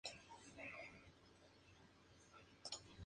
Más adelante se desempeñó como director de Magenta Discos.